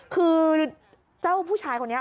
คือเจ้าผู้ชายคนนี้